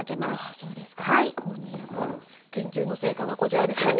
新谷さんの研究の成果がこちらですもんね。